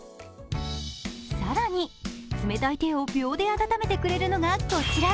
更に冷たい手を秒で温めてくれるのがこちら。